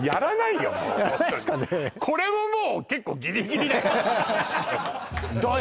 これももう結構ギリギリだよどうよ